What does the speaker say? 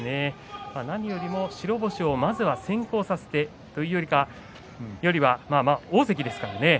何よりも白星をまず先行させてというよりは大関ですからね。